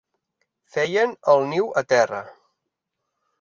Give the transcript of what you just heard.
Feien el niu a terra.